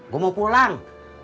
gue mau pulang